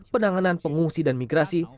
penanganan pengungsi dan migrasi